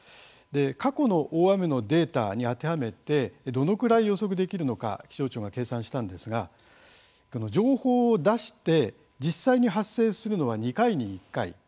過去の大雨のデータに当てはめてどのくらい予測できるのか気象庁が計算したんですが情報を出して実際に発生するのは２回に１回。